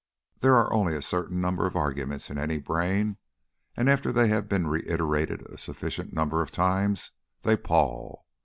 There are only a certain number of arguments in any brain, and after they have been reiterated a sufficient number of times they pall.